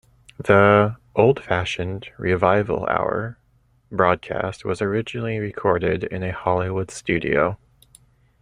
The "Old Fashioned Revival Hour" broadcast was originally recorded in a Hollywood studio.